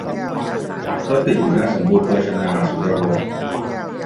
รถติดอยู่หน้าสมบูรณ์โภชนาสุรวงศ์